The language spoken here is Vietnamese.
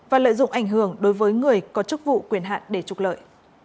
và lợi dụng ảnh hưởng đối với người có chức vụ quyền hạn để trục lợi